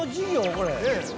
これ。